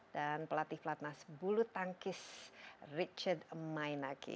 dan pelatih latnas bulu tangkis richard mainaki